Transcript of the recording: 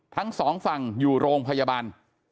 ทั้งสองฝั่งอยู่โรงพยาบาล